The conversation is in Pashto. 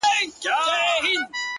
• چي د خندا خبري پټي ساتي؛